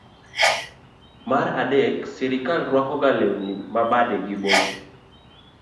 mar adek srikal rwakoga lewni na badegi bocho.